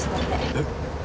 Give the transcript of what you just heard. えっ？